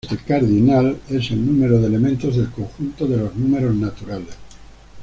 Este cardinal es el número de elementos del conjunto de los números naturales.